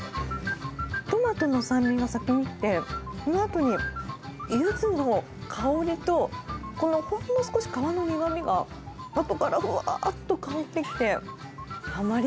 トマトの酸味が先に来て、そのあとにゆずの香りと、このほんの少し皮の苦みがあとからふわっと香ってきて、はまり